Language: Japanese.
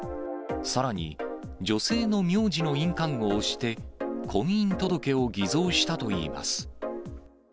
さらに、女性の名字の印鑑を押して、婚姻届を偽造したといいます。